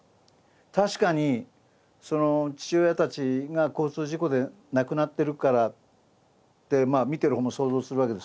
確かに父親たちが交通事故で亡くなってるからって見てる方も想像するわけですね。